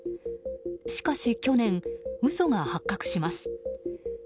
しかし去年、嘘が発覚します。